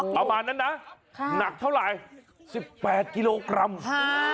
ประมาณนั้นนะหนักเท่าไหร่๑๘กิโลกรัม